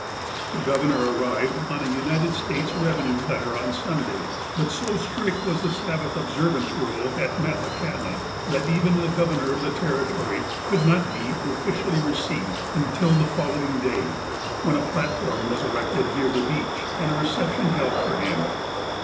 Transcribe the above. The Governor arrived on a United States Eevenue Cutter on Sunday ; but so strict was the Sabbath observ ance rule at Metlakahtla that even the Governor of the Territory could not be officially received until the fol 318 THE APOSTLE OF ALASKA lowing day, when a platform was erected near the beach, and a reception held for him.